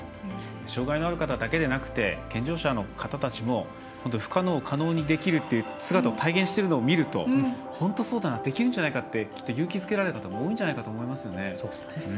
障がいのある方だけではなくて健常者の方たちも不可能を可能にできるって姿を体現しているのを見ると本当にできるんじゃないかって勇気づけられたんじゃないかと思いますよね。